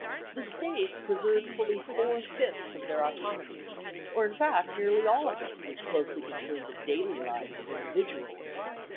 The States preserved fully four fifths of their autonomy, or in fact nearly all of it which closely concerned the daily lives of individuals.